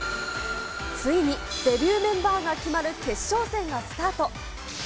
ついにデビューメンバーが決まる決勝戦がスタート。